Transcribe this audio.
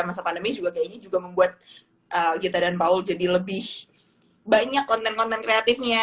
masa pandemi juga kayaknya juga membuat gita dan paul jadi lebih banyak konten konten kreatifnya